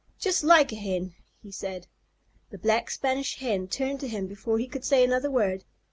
"Just like a Hen!" he said. The Black Spanish Hen turned to him before he could say another word.